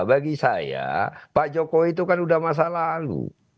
bagi saya pak jokowi itu kan udah masa lalu